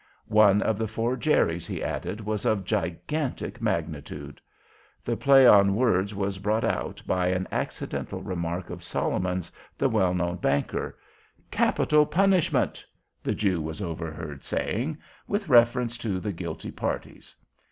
One of the four Jerries, he added, was of gigantic magnitude. The play on words was brought out by an accidental remark of Solomons, the well known Banker. "Capital punishment!" the Jew was overheard saying, with reference to the guilty parties.